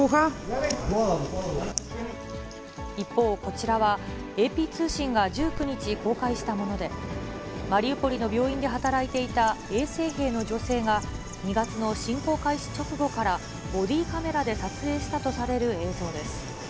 一方、こちらはＡＰ通信が１９日、公開したもので、マリウポリの病院で働いていた衛生兵の女性が、２月の侵攻開始直後からボディーカメラで撮影したとされる映像です。